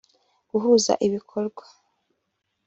guhuza ibikorwa